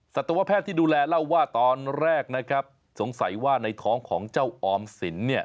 สัตวแพทย์ที่ดูแลเล่าว่าตอนแรกนะครับสงสัยว่าในท้องของเจ้าออมสินเนี่ย